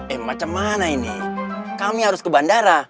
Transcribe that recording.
eh macam mana ini kami harus ke bandara